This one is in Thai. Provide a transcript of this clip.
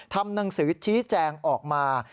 ทำหนังสือชี้แจงออกมา